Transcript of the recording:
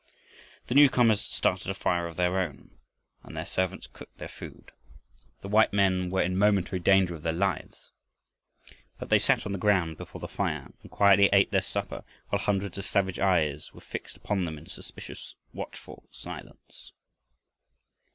The newcomers started a fire of their own, and their servants cooked their food. The white men were in momentary danger of their lives. But they sat on the ground before the fire and quietly ate their supper while hundreds of savage eyes were fixed upon them in suspicious, watchful silence.